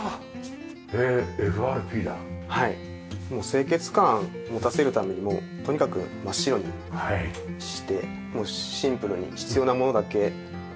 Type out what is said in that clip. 清潔感持たせるためにとにかく真っ白にしてシンプルに必要なものだけ付けてます。